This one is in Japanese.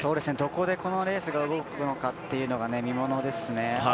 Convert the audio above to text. どこでこのレースが動くのかというのが見ものですね。